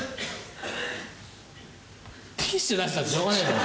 ティッシュ出したってしょうがねえだろ。